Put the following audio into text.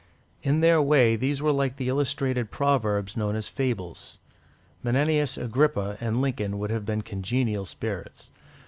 In their way, these were like the illustrated proverbs known as fables. Menenius Agrippa and Lincoln would have been congenial spirits.